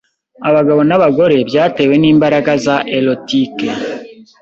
abagabo n'abagore byatewe n'imbaraga za erotic